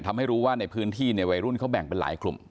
ทำให้รู้ว่าในพื้นที่เนี่ยวัยรุ่นเขาแบ่งเป็นหลายกลุ่ม